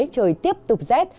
trời tiếp tục rét